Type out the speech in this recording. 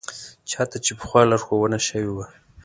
چا ته چې پخوا لارښوونه شوې وه.